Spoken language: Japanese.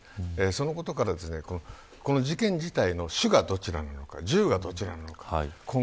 そのことから、この事件自体の主がどちらなのか従がどちらなのか。